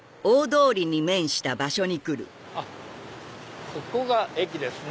あっここが駅ですね。